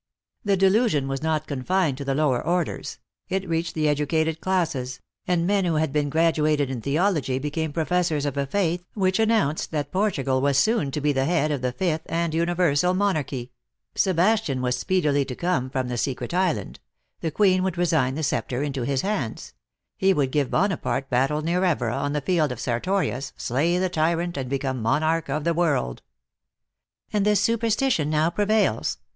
The delusion was not confined to the lower orders ; it reached the educated classes ; and men who had been 194 THE ACTKESS IN HIGH LIFE. graduated in theology became professors of a faith which announced that Portugal was soon to be the O head of the Fifth and Universal Monarchy ; Sebas tian was speedily to come from the Secret Island ; the Queen would resign the sceptre into his hands ; he would give Bonaparte battle near Evora, on the field of Sertorius, slay the tyrant, and become monarch of the world. "" And this superstition now prevails?"